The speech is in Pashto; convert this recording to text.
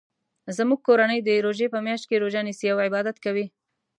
زموږ کورنۍ د روژی په میاشت کې روژه نیسي او عبادت کوي